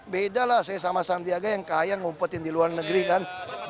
beda lah saya sama sandiaga yang kaya ngumpetin di luar negeri kan